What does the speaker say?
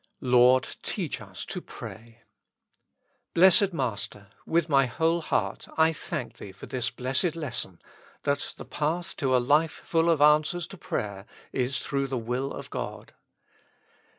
"Lord teach us to pray." Blessed Master ! with my whole heart I thank Thee for this blessed lesson, that the path to a life full of answers to prayer is through the will of God.